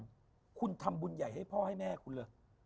คุณทำบุญใหญ่ให้พ่อให้แม่คุณเลย